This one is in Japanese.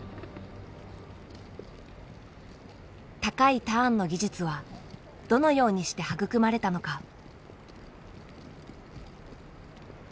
高いターンの技術はどのようにして育まれたのか。